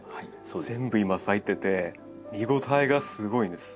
全部今咲いてて見応えがすごいんです。